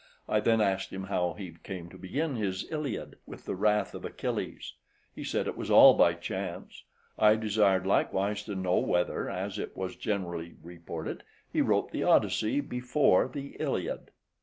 I then asked him how he came to begin his "Iliad" with the wrath of Achilles; he said it was all by chance. I desired likewise to know whether, as it was generally reported, he wrote the "Odyssey" before the "Iliad."